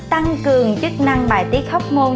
tăng cường chức năng bài tiết hóc môn